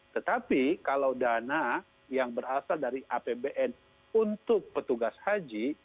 tetapi kalau dana yang berasal dari apbn untuk petugas haji